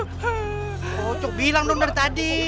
kocok bilang dong dari tadi